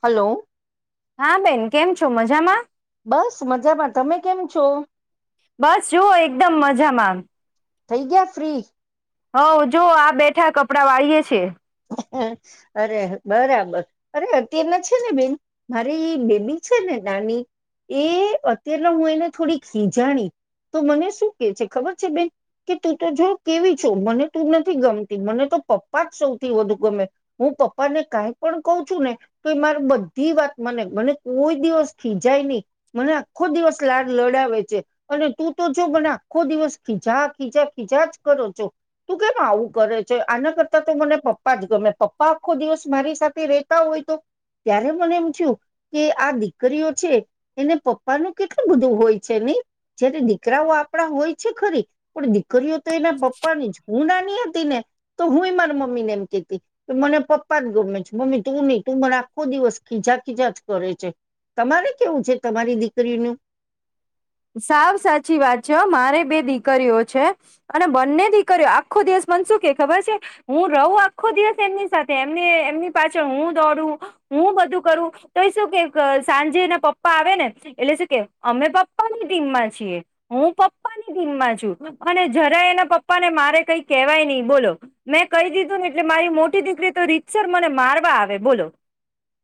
Hello હા બેન કેમ છો મજામાં બસ મજામાં તમે કેમ છો. બસ જુઓ એકદમ મજામાં થઈ ગયા ફ્રી હઉ જો આ બેઠા કપડાં વાળીએ છે. અરે બરાબર અરે અત્યારના છે ને બેન મારી બેબી છે ને નાની એ અત્યારના હું એને થોડીક ખીજાણી તો મને શું કે છે ખબર છે બેન કે તું તો જો કેવી છું મને તું નથી ગમતી મને તો પપ્પા જ સૌ થી વધુ ગમે હું પપ્પાને કઈ પણ કહ છું ને તો મારે બધી વાત મને મને કોઈ દિવસ ખીજાય નહી મને આખો દિવસ લાડ લડાવે છે અને તું તો જો મને આખો દિવસ ખીજા ખીજા ખીજા જ કરો છો તું કેમ આવું કરે છે આના કરતા તો મને પપ્પા પપ્પા જ ગમે પપ્પા આખો દિવસ મારી સાથે રેતા હોય તો ત્યારે મને એમ થયું કે આ દીકરીઓ છે એને પપ્પાનું કેટલું બધું હોય છે નહી જયારે દીકરાઓ આપડા હોય છે ખરી પણ દીકરીઓ તો એના પપ્પા ની જ હું નાની હતી ને તો હું એ મારા મમ્મી ને એમ કે મને પપ્પા જ ગમે છે મમ્મી તું નહી તું મને આખો દિવસ ખીજા ખીજા જ કરે છે તમારે કેવું છે તમારી દીકરીનું સાવ સાચી વાત છે મારે બે દીકરીઓ છે અને બંને દીકરીઓ આખો દિવસ મને શું કે ખબર છે હું રહું આખો દિવસ એમની સાથે એમ એમની પાછળ હું દોડું હું બધું કરું તો શું કે સાંજે એના પપ્પા આવે ને એટલે શું કે અમે પપ્પાની ટીમમાં છીએ હું પપ્પાની ટીમમાં છું અને જરા એના પપ્પા ને મારે કઈ કેહેવાય નહી બોલો મેં કહી દીધું ને એટલે મારી મોટી દીકરી તો રીતસર મને મારવા આવે બોલો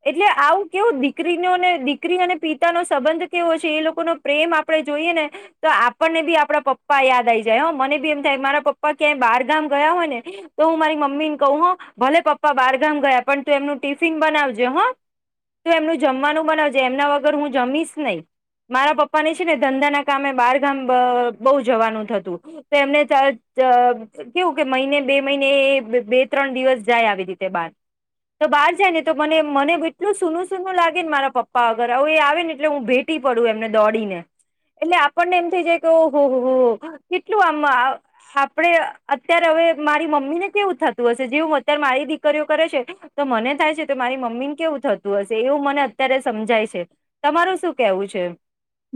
એટલે આવું કેવું દીકરીનોને દીકરી અને પિતાનો સંબંધ કેવો છે એ લોકોનો પ્રેમ આપણે જોઈએ ને તો આપણને બી આપડા પપ્પા યાદ આઈ જાય મને બી એમ થાય મારા પપ્પા ક્યાંય બાર ગામ ગયા હોય ને તો હું મારી મમ્મી ને કહું હો ભલે પપ્પા બારગામ ગયા પણ તું એમનું ટિફિન બનાવજે હો તું એમનું જમવાનું બનાવજે એમના વગર હું જમીશ નહી મારા પપ્પા ને ધંધા ના કામે બાર ગામ બહુ જવાનું થતું તો એમને કેવું કે મહિને બે મહિને બે ત્રણ દિવસ જાય આવી રીતે બાર તો બહાર જાય ને તો મને મને એટલું સૂનું સૂનું લાગે ને મારા પપ્પા વગર હવે એ આવે ને એટલે હું ભેટી પડું એમને દોડીને એટલે આપણને એમ થઈ જાય કે ઓ હો કેટલું આમ આપડે અત્યારે હવે મારી મમ્મીને કેવું થતું હશે જેવું અત્યારે મારી દીકરીઓ કરે છે તો મને થાય છે તો મારી મમ્મી ને કેવું થતું હશે એવું મને અત્યારે સમજાય છે તમારું શું કેવું છે.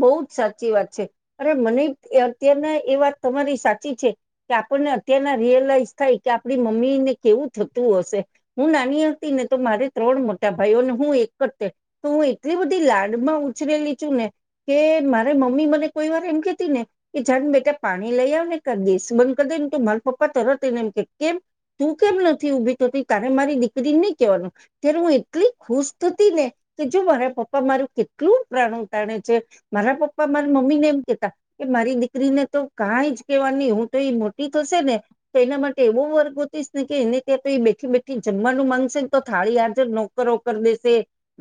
બોવ જ સાચી વાત છે અરે મને અત્યારના એ વાત તમારી સાચી છે કે આપણને અત્યારના રિયલાઈઝ થાય કે આપણી મમ્મીને કેવું થતું હશે હું નાની હતી ને તો મારે ત્રણ મોટા ભાઈઓને હું એક જ તો હું એટલી બધી લાડમાં ઉછરેલી છું ને કે મારે મમ્મી મને કોઈ વાર એમ કેતી ને કે જાને બેટા પાણી લઈ આવ ને ગેસ બંધ કરી દે ને તો મારા પપ્પા તરત એને એમ કે કેમ તું કેમ નથી ઉભી થતી તારે મારી દીકરીને નહી કેહેવાનું ત્યારે હું એટલી ખુશ થતી ને કે જો મારા પપ્પા મારું કેટલું પ્રાણ તાણે છે. મારા પપ્પા મારા મમ્મી ને એમ કેતા કે મારી દીકરીને તો કંઈ જ કેવા નહી હું તો એ મોટી થશે ને તો એના માટે એવો વર ગોતીશ ને કે એને ત્યાં તો એ બેઠી બેઠી જમવાનું માંગશે ને તો થાળી હાજર નોકરો કરી દેશે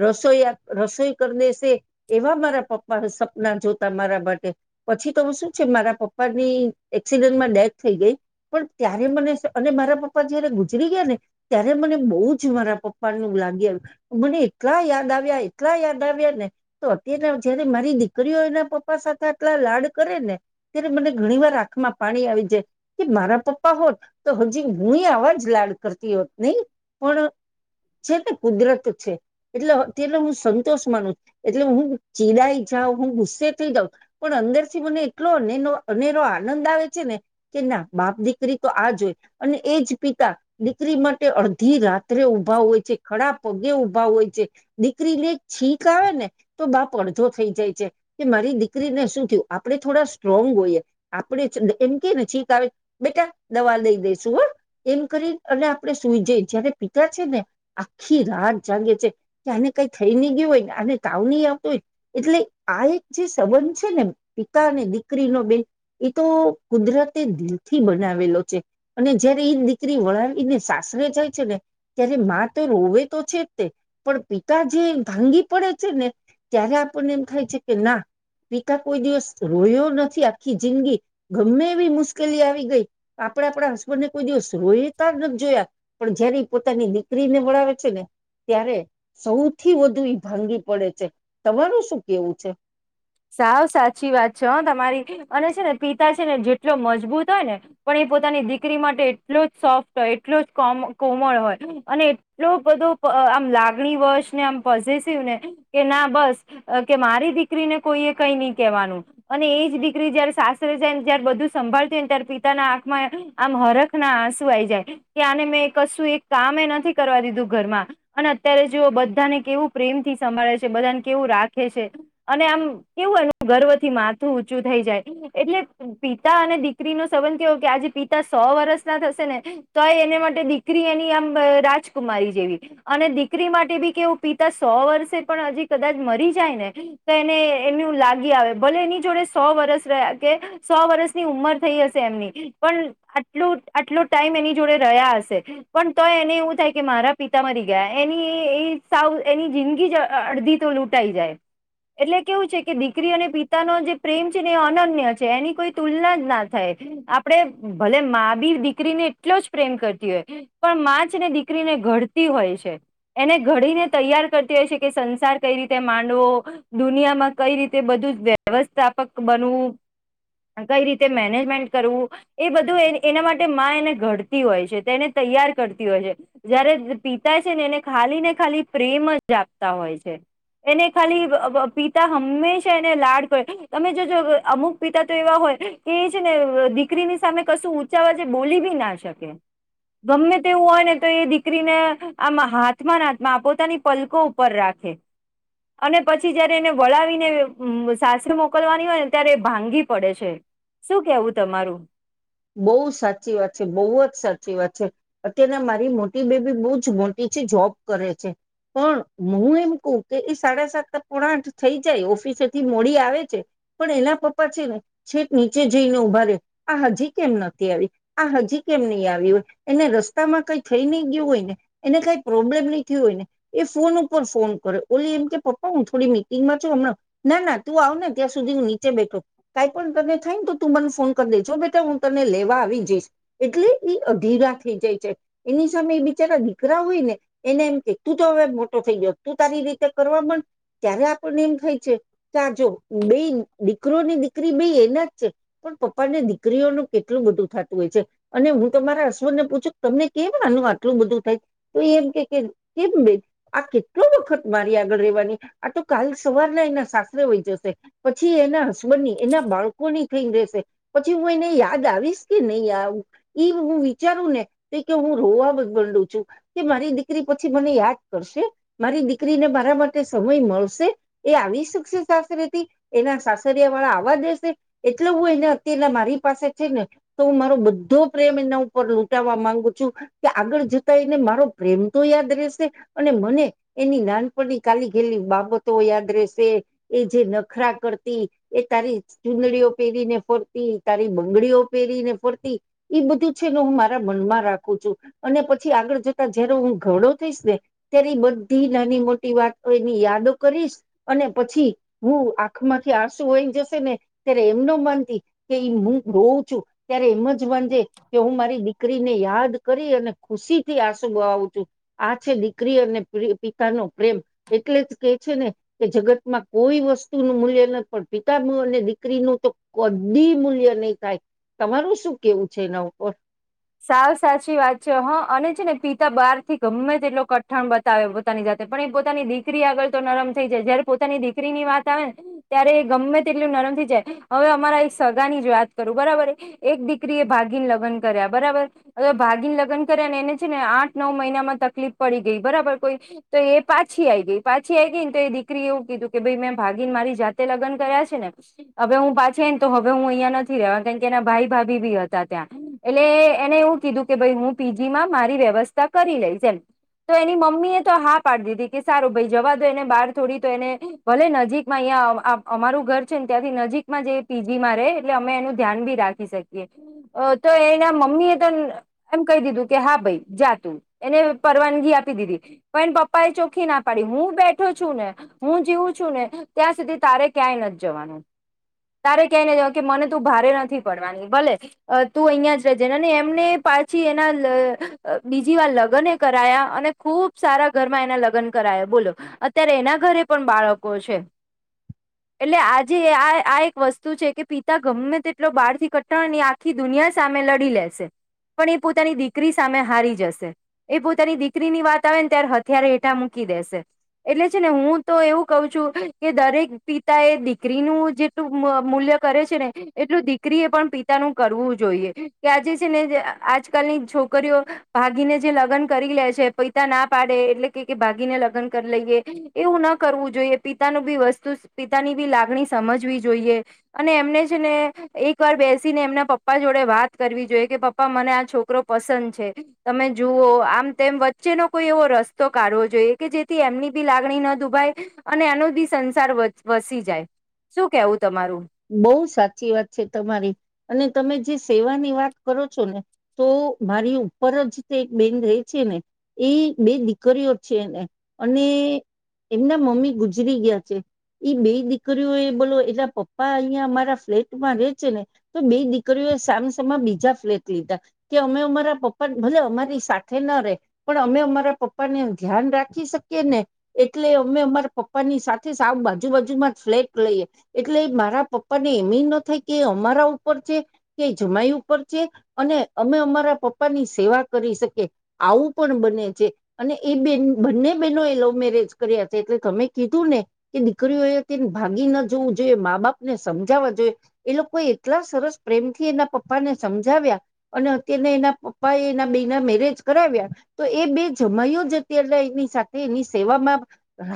રસોઈ રસોઈ કરી દેશે એવા મારા પપ્પા સપના જોતા મારા માટે પછી તો હવે શું છે મારા પપ્પાની એક્સિડન્ટમાં ડેથ થઈ ગઈ પણ ત્યારે મને અને મારા પપ્પા જયારે ગુજરી ગયા ને ત્યારે મને બહુ જ મારા પપ્પાનું લાગી આવ્યું મને એટલા યાદ આવ્યા એટલા યાદ આવ્યા ને તો અત્યારે જયારે મારી દીકરીઓ એના પપ્પા સાથે આટલા લાડ કરે ને ત્યારે મને ઘણી વાર આંખમાં પાણી આવી જાય કે મારા પપ્પા હોત તો હજી હું એ આવા જ લાડ કરતી હોત નહી પણ છે તે કુદરત છે એટલે તેને હું સંતોષ માનું એટલે હું ચીડાઈ જાઉ હું ગુસ્સે થઈ જાઉં પણ અંદરથી મને એટલો અને અનેરો આનંદ આવે છે ને કે ના બાપ દીકરી તો આજ હોય અને એજ પિતા દીકરી માટે અડધી રાત ઉભા હોય છે ખળા પગ તે ઉભા હોય છે દીકરી ને એક છીક આવે ને તો બાપ પડધો થઈ જાય છે કે મારી દીકરીને શું થયું આપડે થોડા સ્ટ્રોંગ હોઈએ આપડે એમ કે ને ચીક આવે બેટા દવા લઈ દઈશું હ એમ કરી અને આપડે સુઈ જઈ સે અને પિતા છે ને આખી રાત જાગે છે કે આને કઈ થઈ નહી ગયું હોય ને અને તાવ ની આવે. એટલે આ એક જે સંબંધ છે ને પિતા અને દીકરીનો બેન એ તો કુદરતે દિલ થી બનાવેલો છે અને જયારે એ દીકરી વળાવીને સાસરે જાય છે ને ત્યારે મા તો રોવે તો છે જ તે પણ પિતા જે ભાંગી પડે છે ને ત્યારે આપણને એમ ખાય છે કે ના પિતા કોઈ દિવસ રોયો નથી આખી જિંદગી ગમે એવી મુશ્કેલી આવી ગઈ આપડે આપડા હસબન્ડને કોઈ દિવસ રોયતા નથી જોયા પણ જયારે એ પોતાની દીકરીને વણાવે છે ને ત્યારે સૌથી વધુ ઈ ભાંગી પડે છે. તમારું શું કેવું છે? સાવ સાચી વાત છે હ તમારી અને છે ને પિતા છે ને જેટલો મજબૂત હોય ને પણ એ પોતાની દીકરી માટે એટલો જ સોફ્ટ હોય એટલો જ કોમ કોમળ હોય અને એટલો બધો આમ લાગણી વશ ને આમ પોઝિસિવ ને કે ના બસ કે મારી દીકરીને કોઈ એ કઈ નહી કહેવાનું અને એજ દીકરી જયારે સાસરે જાયને જયારે બધું સંભળતું હોય ને ત્યારે પિતાના આંખમાં આમ હરખ ના આંસુ આઈ જાય કે આને મેં કશું એક કમે નથી કરવા દીધું ઘરમાં અને અત્યારે જો બધાને કેવું પ્રેમથી સંભાળે છે બધાને કેવું રાખે છે અને આમ કેવું એનું ગર્વથી માથું ઊંચું થઈ જાય એટલે પિતા અને દીકરીનો સંબંધ કેવો કે આજે પિતા સો વર્ષ ના થશે ને તોય એને માટે દીકરી એની આમ રાજકુમારી જેવી અને દીકરી માટે બી કેવું પિતા સો વર્ષે પણ હજી કદાચ મરી જાય ને તો એને એનું લાગી આવે ભલે એની જોડે સો વર્ષ રયા કે સો વર્ષની ઉંમર થઈ હશે એમની પણ આટલુ આટલુ ટાઈમ એની જોડે રહ્યા હશે પણ તો એને એવું થાય કે મારા પિતા મરી ગયા એની સાવ એની જિંદગી જ અડધી તો લૂંટાઈ જાય એટલે કેવું છે કે દીકરી અને પિતાનો જે પ્રેમ છે ને એ અનન્ય છે એની કોઈ તુલના જ ના થાય આપડે ભલે મા બી દીકરીને એટલો જ પ્રેમ કરતી હોય પણ માં છે ને દીકરીને ઘડતી હોય છે એને ઘડીને તૈયાર કરતી હોય છે કે સંસાર કઈ રીતે માંડવો દુનિયા મા કઈ રીતે બધું વ્યવસ્થાપક બનવું કઈ રીતે મેનેજમેન્ટ કરવું એ બધું એના માટે એને ઘડતી હોય છે એને તૈયાર કરતી હોય છે જયારે પિતા છે ને એને ખાલી ને ખાલી પ્રેમ જ આપતા હોય છે એને ખાલી વ વ પી તા હંમેશા એને લાડ કર તમે જોજ અમુક પિતા તો એવા હોય કે એ છે ને દીકરીની સામે કશું ઊંચા વચે બોલી બી ના શકે ગમે તેવું હોય ને તો એ દીકરીને આ હાથમાં નાથમાં પોતાની પલકો ઉપર રાખે અને પછી જયારે એને વળાવીને સાસરે મોકલવાની હોય ને ત્યારે એ ભાંગી પડે છે શું કેવું તમારું? બહુ સાચી વાત છે બવ જ સાચી વાત છે અત્યારના મારી મોટી બેબી બઉ જ મોટી છે જોબ કરે છે પણ હું એમ કઉ કે એ સાડા સાત પોણા આઠ થઈ જાય ઓફિસેથી મોડી આવે છે પણ એના પપ્પા છે ને છેદ નીચે જઈને ઉભા રે આ હજી કેમ નથી આવી આ હજી કેમ નહી આવી હોય એને રસ્તામાં કઈ થઈ નહી ગયું હોય ને એને કઈ પ્રોબ્લેમ નહી થયું હોય ને એ ફોન ઉપર ફોન કરો ઓલી એમ કે પપ્પા હું થોડી મિટિંગમાં છું હમણાં ના ના તું આવ ને ત્યાં સુધી હું નીચે બેઠો કાઈ પણ તને થાય ને તો તું મને ફોન કરી દેજો બેઠા. તને લેવા આવી જઈશ એટલે એ અધીરા થઈ જાય છે એની સામે એ બિચારા દીકરા હોય ને એને એમ કે તું તો હવે મોટો થઈ ગયો તું તારી રીતે કરવા મંડ ત્યારે આપણને એમ થાય છે કા આ જો બેન દીકરો ને દીકરી બે એના જ છે પણ પપ્પા ને દીકરીઓનું કેટલું બધું થતું હોય છે અને હું તો મારા હસબંડ ને પૂછું તમને કેમ માનું આટલું બધું થાય તો એમ કે કેમ બેન આ કેટલો વખત મારી આગળ રેવાની આ તો કાલ સવારના એના સાસરે હોય જશે પછી એના હસબંડ એના બાળકોની થઈને રહેશે પછી હું એને આ દાવીશ કે નહી આવું એ હું વિચારું ને તો કે હું રોવા બંડું છું કે મારી દીકરી પછી મને યાદ કરશે મારી દીકરીને મારા માટે સમય મળશે એ આવી શકશે સાસરેથી એના સાસરિયા વાળા આવવા દેશે એટલે હું એને અત્યારના મારી પાસે ને તો હું મારો બધો પ્રેમ એના ઉપર લૂંટાવા માંગુ છું કે આગળ જતા એને મારો પ્રેમ તો યાદ રેશે અને મને એની નાનપણની કાલી ગયેલી બાબતો યાદ રશે એ જે નખરા કરતી એ તારી ચુંદડીઓ પહેરીને ફરતી તારી બંગડીઓ પેરીને ફરતી એ બધું છે ને હું મારા મનમાં રાખું છું અને પછી આગળ જતા જયારે હું ઘરડો થઈશ ને ત્યારે બધી નાની મોટી વાત એની યાદો કરીશ અને પછી હું આંખ માંથી આસુ હોઈ જશે ને ત્યારે એમનો માનતી કે હું રોવં છું ત્યારે એમ જ વાંજે કે હું મારી દીકરીને યાદ કરી અને ખુશી થી આંસુ બળાવું તુ આ છે દીકરી અને પિતા નો પ્રેમ એટલે જ કે છે ને કે જગતમાં કોઈ વસ્તુ નું મૂલ્ય નથી પણ પિતા અને દીકરીનું તો કદી મૂલ્ય નહી થાય તમારું શું કેવું છે એના ઉપર. સાવ સાચી વાત છે હા અને છે ને પિતા બહાર થી ગમે તે એટલો કઠણ બતાવે પોતાની જાતે પણ એ પોતાની દીકરી આગળ તો નરમ થઈ જાય જયારે પોતાની દીકરી ની વાત આવે ને ત્યારે એ ગમે તે એટલું નરમ થઈ જાય હવે અમારા એક સગાની જ વાત કરું બરાબર એક દીકરી એ ભાગીને લગન કર્યા. બરાબર હવે ભાગીન લગન કર્યા ને એને છે ને આઠ નવ મહિનામાં તકલીફ પડી ગઈ બરાબર કોઈ તો એ પાછી આઈ ગઈ પાછી આ ગઈ ને તો એ દીકરી એવું કીધું કે ભાઈ મેં ભાગીન મારી જાતે લગન કર્યા છે ને હવે હું પાછીને તો હવે હું અહિયાં નથી રેવા કારણ કે એના ભાઈ ભાભી બી હતા ત્યાં. એટલે એને એવું કીધું કે ભઈ હું પીજી માં મારી વ્યવસ્થા કરી લઈશ એમ તો એની મમ્મી એ તો હા પાડી દીધી કે સારું ભાઈ જવા દો એને બહાર થોડી તો એને ભલે નજીકમાં અહીંયા અમારું ઘર છે ને ત્યાંથી નજીકમાં જ પીજીમાં રે એટલે અમે એનું ધ્યાન બી રાખી શકીએ અ તો એના મમ્મી એ તો એમ કહી દીધું કે હા ભાઈ જાતું એને પરવાનગી આપી દીધી પણ પપ્પા એ ચોખ્ખી ના પાડી હું બેઠો છું ને હું જીવું છું ને ત્યાં સુધી તારે ક્યાંય નથી જવાનું તારે ક્યાંય ન જવાનું કે મને તું ભારે નથી પડવાની ભલે અ તું એને જ રેજેને અને એમને પાછી એના લ બીજી વાર લગ્ન એ કરાયા અને ખુબ સારા ઘરમાં એના લગ્ન કરાયા બોલો અત્યારે એના ઘરે પણ બાળકો છે એટલે આજે આ આ એક વસ્તુ છે કે પિતા ગમે તેટલો બહાર થી કટણ ની આખી દુનિયા. સામે લડી લેશે પણ એ પોતાની દીકરી સામે હારી જશે એ પોતાની દીકરી ની વાત આવે ને ત્યારે હથિયાર હેઠા મૂકી દેશે એટલે છે ને હું તો એવું કઉ છું કે દરેક પિતા એ દીકરીનું જેટલું મૂલ્ય કરે છે ને એટલું દીકરી એ પણ પિતાનું કરવું જોઈએ કે આજે છે ને આજકાલની છોકરીઓ ભાગીને જે લગન કરી લે છે પૈસા ના પાડે એટલે કે ભાગીને લગ્ન કરી લઈએ એવું ના કરવું જોઈએ પિતાનું બી વસ્તુ પિતાની બી લાગણી સમજવી જોઈએ અને એમને છે ને એક વાર બેસીને એમના પપ પા જોડે વાત કરવી જોઈએ કે પપ્પા મને આ છોકરો પસંદ છે તમે જુઓ આમ તેમ વચ્ચેનો કોઈ એવો રસ્તો કાઢવો જોઈએ કે જેથી એમની બી લાગણી ન દુભાય અને એનો બી સંસાર વસી જાય શું કેવું. તમારું બહુ સાચી વાત છે તમારી અને તમે જે. સેવાની વાત કરો છો ને તો મારી ઉપર જ તે એક બેન રેય છે ને એ બે દીકરીઓ છે ને અને એમના મમ્મી ગુજરી ગયા છે એ બે દીકરીઓ એ બોલો એલા પ પા અહીંયા અમારા ફ્લેટમાં રેય છે ને તો બે દીકરીઓ એ સામસામા બીજા ફ્લેટ લીધા કે અમે અમારા પપ્પા ભલે અમારી સાથે ના રે પણ અમે અમારા પપ્પાને ધ્યાન રાખી શકીએ ને એટલે અમે અમારા પપ્પા ની સાથે સા બાજુ બાજુમાં ફ્લેટ લઈએ એટલે. રા પપ્પા ને એમ ન થાય કે અમારા ઉપર છે કે જમાઈ ઉપર છે અને અમે અમારા પપ્પા ની સેવા કરી શકીએ આવું પણ બને છે અને એ બે બંને બહેનો એ લવ મેરેજ કર્યા છે એટલે તમે કીધું ને કે દીકરીઓ એ તેને ભાગી ના જવું જોઈએ મા બાપ. ને સમજવા જોઈએ એ લોકો એટલા સરસ પ્રેમ થી એના પપ્પાને સમજાવ્યા અને અત્યારને એના પપ્પા એના બેના મેરેજ કરાવ્યા તો એ બે જમાઈઓ જ અત્યારે એની સાથે એની સેવામાં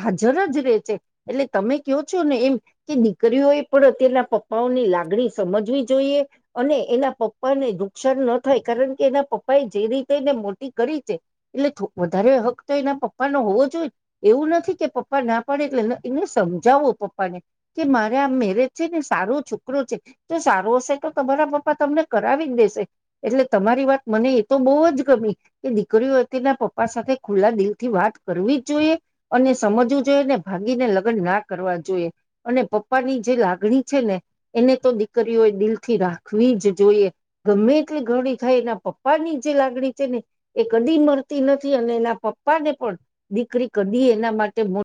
હાજર જ રે છે એટલે તમે કહો છો ને એમ કે દીકરીઓ એ પણ તેના પપ્પાઓની લાગણી સમજવી જોઈએ અને એના પપ્પાને નુકસાન ન થાય કારણ કે એના પપ્પા એ જે રીતે એને મોટી કરી છે એટલે વધારે હક તો એના પપ્પાનો હોવો જોઈએ એવું નથી કે પપ્પા ના પાડે એટલે એને સમજાવો પપ્પાને કે મારે આ મેરે છે ને સારો છોકરો છે જો સારો હશે તો તમારા પપ્પા તમને કરાવી જ દેશે એટલે તમારી વાત મને એ તો બહુ જ ગમી કે દીકરીઓના પપ્પા સાથે ખુલ્લા દિલ થી વાત કરવી જ જોઈએ અને સમજવું જોઈએને ભાગીને લગ્ન ના કરવા જોઈએ અને પપ્પા ની જે લાગ ગણી છે ને એને તો દીકરીઓ એ દિલ થી રાખવી જ જોઈએ ગમે એટલી ઘણી થાય એના પપ્પા ની જે લાગણી છે ને એ કદી મળતી નથી અને એના પપ્પા ને પણ દીકરી કદી એના માટે મુ